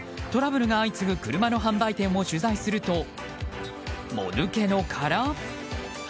トラブルが相次ぐ車の販売店を取材するともぬけの殻？